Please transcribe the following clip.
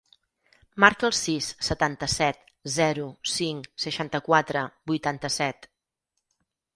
Marca el sis, setanta-set, zero, cinc, seixanta-quatre, vuitanta-set.